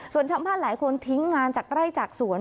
ส่วนชาวบ้านหลายคนทิ้งงานจากไร่จากสวน